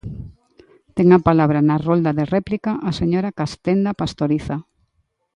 Ten a palabra na rolda de réplica a señora Castenda Pastoriza.